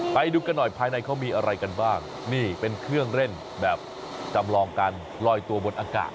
ไปดูกันหน่อยภายในเขามีอะไรกันบ้างนี่เป็นเครื่องเล่นแบบจำลองการลอยตัวบนอากาศ